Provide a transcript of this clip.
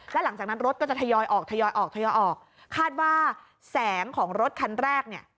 แล้วหลังจากนั้นรถก็จะทยอยออกทยอยออกทยอยออกคาดว่าแสงของรถคันแรกเนี่ย